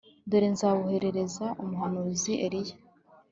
“Dore nzaboherereza umuhanuzi Eliya